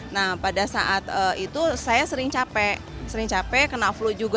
nah pada saat itu saya sering capek sering capek kena flu juga